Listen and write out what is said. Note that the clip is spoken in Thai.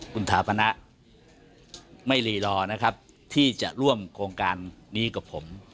คุณถาพนะไม่รีรอนะครับที่จะร่วมโครงการนี้กับผม